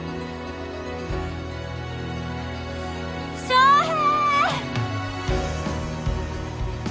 翔平！